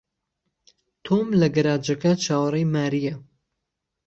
تۆم لە گەراجەکە چاوەڕێی مارییە.